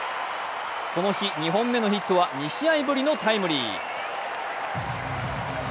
この日、２本目のヒットは２試合ぶりのタイムリー。